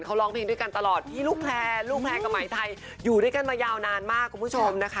เขาร้องเพลงด้วยกันตลอดพี่ลูกแพรกับหมายไทยอยู่ด้วยกันมายาวนานมาก